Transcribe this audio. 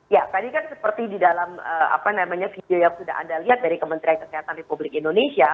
ya tadi kan seperti di dalam video yang sudah anda lihat dari kementerian kesehatan republik indonesia